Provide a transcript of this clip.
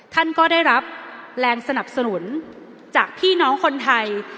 ท่านก็ได้รับแรงสนับสนุนจากพี่น้องคนไทย